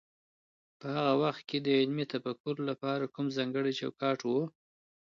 په هغه وخت کي د علمي تفکر لپاره کوم ځانګړی چوکاټ و؟